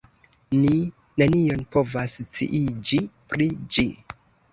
Ni nenion povas sciiĝi pri ĝi.